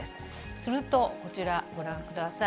すると、こちらご覧ください。